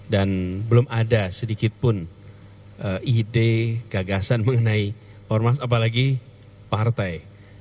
dan belum ada sedikitpun ide gagasan mengenai ormas apalagi partai